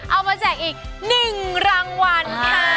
เอามาแจกอีก๑รางวัลค่ะ